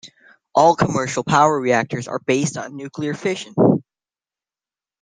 All commercial power reactors are based on nuclear fission.